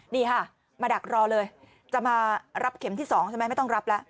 นี่ค่ะมาดักรอเลยจะมารับเข็มที่๒ใช่ไหมไม่ต้องรับแล้ว